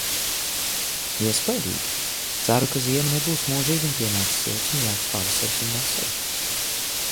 Iespaidīgi! Ceru, ka ziema nebūs mūžīga un pienaks silts un jauks pavasaris un vasara...